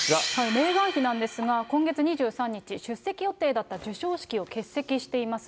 メーガン妃なんですが、今月２３日、出席予定だった授賞式を欠席しています。